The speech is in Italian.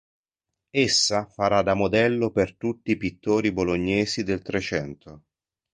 Essa farà da modello per tutti i pittori bolognesi del Trecento.